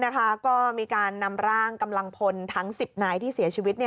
ก็มีการนำร่างกำลังพลทั้ง๑๐นายที่เสียชีวิต